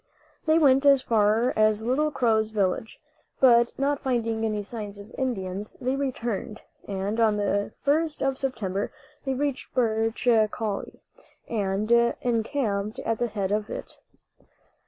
They went as far as Little Crow's village, but not finding any signs of Indians, they returned; and on the 1st of September they reached Birch Coulie, and encamped at the head of it.